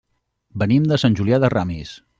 Venim de Sant Julià de Ramis.